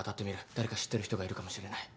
誰か知ってる人がいるかもしれない。